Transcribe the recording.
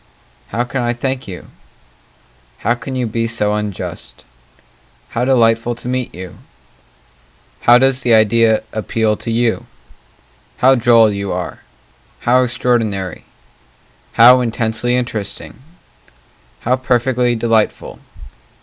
How can I thank you? How can you be so unjust? How delightful to meet you How does the idea appeal to you? How droll you are! How extraordinary! How intensely interesting! How perfectly delightful!